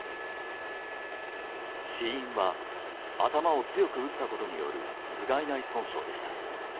死因は頭を強く打ったことによる頭蓋内損傷でした。